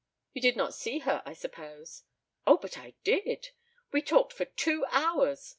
You did not see her, I suppose?" "Oh, but I did. We talked for two hours.